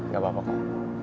gak apa apa kum